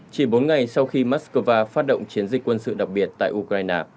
chỉ bốn ngày sau khi moscow phát động chiến dịch quân sự đặc biệt tại ukraine